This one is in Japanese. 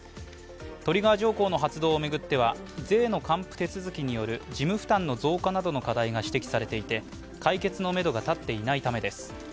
トリガー条項の発動を巡っては税の還付手続きによる事務負担の増加などの課題が指摘されていて解決のめどが立っていないためです。